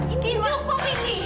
ini cukup indi